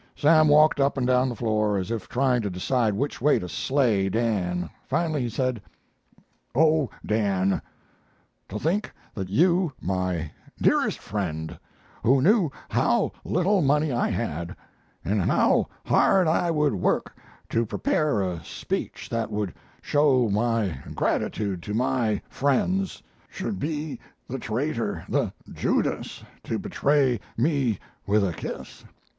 Sam walked up and down the floor, as if trying to decide which way to slay Dan. Finally he said: "'Oh, Dan, to think that you, my dearest friend, who knew how little money I had, and how hard I would work to prepare a speech that would show my gratitude to my friends, should be the traitor, the Judas, to betray me with a kiss!